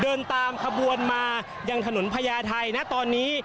เดินตามขบวนมายังถนนพญาไทยนะตอนนี้